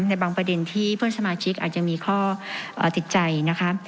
ในบางประเด็นที่เพื่อนสมาชิกอาจจะมีข้อติดใจนะคะ